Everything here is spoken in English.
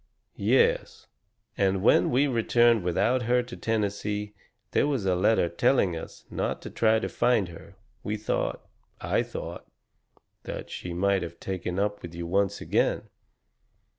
"Yes, and when we returned without her to Tennessee there was a letter telling us not to try to find her. We thought I thought that she might have taken up with you once again."